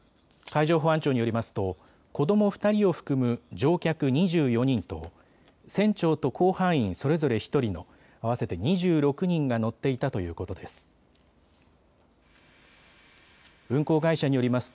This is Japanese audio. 海上保安庁によりますと子ども２人を含む乗客２４人と船長と甲板員それぞれ１人の合わせて２６人が乗っていたということです。